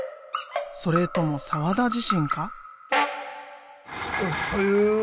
それとも澤田自身か？